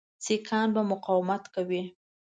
سیکهان به مقاومت کوي.